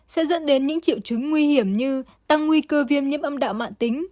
sẽ dẫn đến những triệu chứng nguy hiểm như tăng nguy cơ viêm nhiễm âm đạo mạng tính